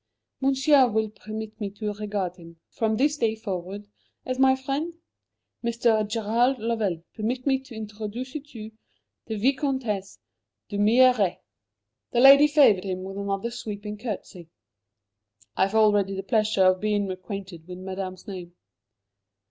"Monsieur will permit me to regard him, from this day forward, as my friend? Mr. Gerald Lovell, permit me to introduce to you the Vicomtesse d'Humières!" The lady favoured him with another sweeping curtsey. "I have already the pleasure of being acquainted with Madame's name."